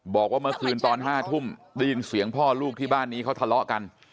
บอกว่าเมื่อคืนตอน๕ทุ่มได้ยินเสียงพ่อลูกที่บ้านนี้เขาทะเลาะกัน